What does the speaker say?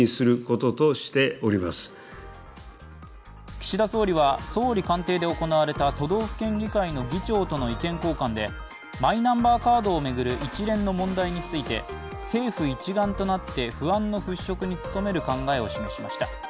岸田総理は総理官邸で行われた都道府県議会の議長との意見交換でマイナンバーカードを巡る一連の問題について政府一丸となって不安の払拭に努める考えを示しました。